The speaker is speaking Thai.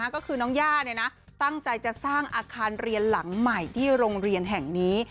ก็คือน้องย่าตั้งใจจะสร้างอาคารเรียนหลังใหม่ที่โรงเรียนแห่งนี้